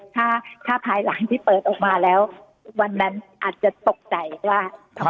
ถ้าภายหลังที่เปิดออกมาแล้ววันนั้นอาจจะตกใจว่า